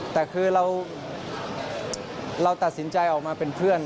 แต่คือเราตัดสินใจออกมาเป็นเพื่อน